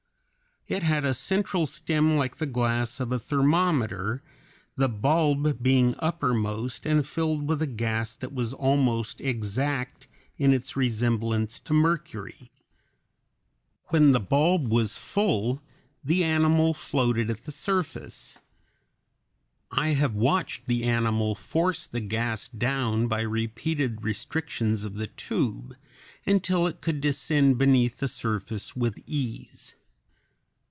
It had a central stem like the glass of a thermometer, the bulb being uppermost and filled with a gas that was almost exact in its resemblance to mercury. When the bulb was full the animal floated at the surface. I have watched the animal force the gas down by repeated restrictions of the tube until it could descend beneath the surface with ease.